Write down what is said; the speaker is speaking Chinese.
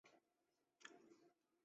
韦罗人口变化图示